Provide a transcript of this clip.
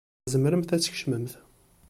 Tzemremt ad tkecmemt.